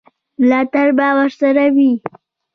ملاتړ به ورسره وي.